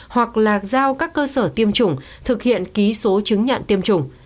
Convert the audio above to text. hoặc là giao các cơ sở tiêm chủng thực hiện ký số chứng nhận tiêm chủng